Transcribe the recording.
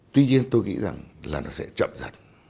tuy nhiên tôi nghĩ rằng là nó sẽ chậm dần